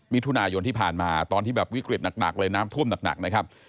มิถุนายนที่ผ่านมาตอนที่แบบวิกฤตหนักเลยน้ำท่วมหนักนะครับ